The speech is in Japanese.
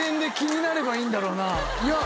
いや。